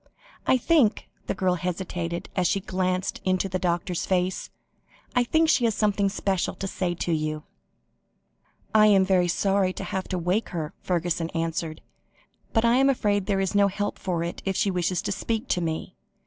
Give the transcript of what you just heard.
I think," the girl hesitated as she glanced into the doctor's face, "I think she has something special to say to you." "I am sorry to have to wake her," Fergusson answered, "but I am afraid there is no help for it, if she wishes to speak to me.